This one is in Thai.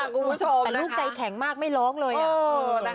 แกล้งไส้แข็งมากไม่ลองเลย